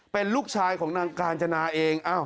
เป็นลูกชายของนางกาญจนาเอง